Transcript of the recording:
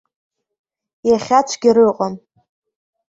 Иахьа цәгьара ыҟам.